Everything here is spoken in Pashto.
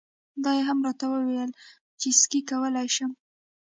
دا یې هم راته وویل چې سکی کولای شم.